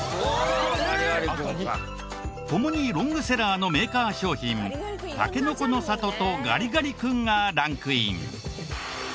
共にロングセラーのメーカー商品たけのこの里とガリガリ君がランクイン。